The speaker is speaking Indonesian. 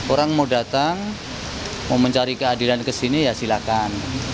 orang mau datang mau mencari keadilan kesini ya silahkan